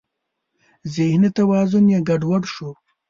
ذهني توازن یې ګډ وډ شو.